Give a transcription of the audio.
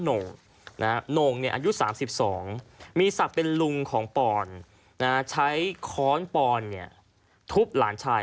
โหน่งอายุ๓๒มีศักดิ์เป็นลุงของปอนใช้ค้อนปอนทุบหลานชาย